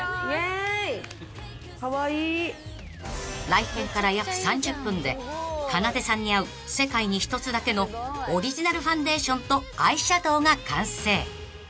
［来店から約３０分でかなでさんに合う世界に一つだけのオリジナルファンデーションとアイシャドウが完成］